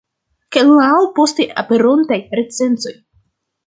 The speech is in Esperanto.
Kaj laŭ poste aperontaj recenzoj.